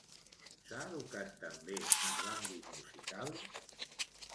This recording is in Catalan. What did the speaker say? S'ha educat també en l'àmbit musical?